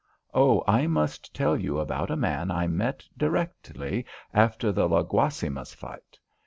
Oh, but I must tell you about a man I met directly after the La Guasimas fight.